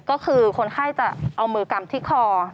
ก็คือคนไข้จะเอามือกำที่คอ